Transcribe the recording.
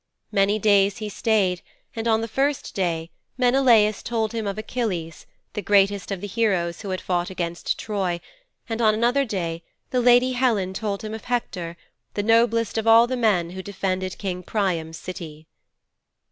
Many days he stayed, and on the first day Menelaus told him of Achilles, the greatest of the heroes who had fought against Troy, and on another day the lady Helen told him of Hector, the noblest of all the men who defended King Priam's City.